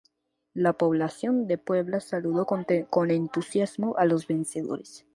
La población de Puebla saludó con entusiasmo a los vencedores.